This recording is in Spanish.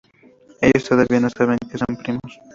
Ellos todavía no saben que son primos.